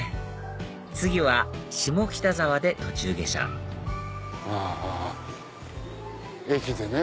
次は下北沢で途中下車あ駅でね。